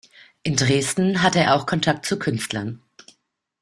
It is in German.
In Dresden hatte er auch Kontakt zu Künstlern.